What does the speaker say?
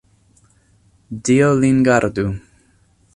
Dio lin gardu!